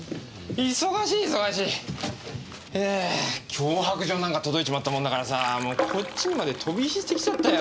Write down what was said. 脅迫状なんか届いちまったもんだからさぁもうこっちにまで飛び火してきちゃったよ